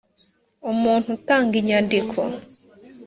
umuntu utanga inyandiko